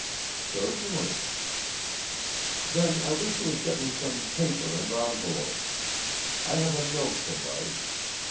"Certainly." "Then I wish you would get me some paper and envelopes. I have a note to write.